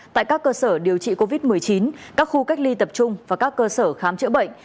tại các cơ sở điều trị covid một mươi chín các khu cách ly tập trung và các cơ sở khám chữa bệnh